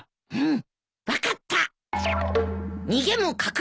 うん。